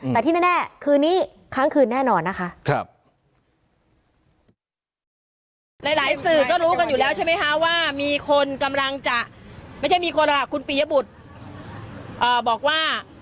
แต่ที่แน่คืนนี้ครั้งคืนแน่นอนนะคะ